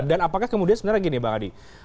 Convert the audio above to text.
dan apakah kemudian sebenarnya gini bang hadi